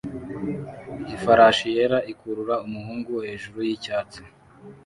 Ifarashi yera ikurura umuhungu hejuru yicyatsi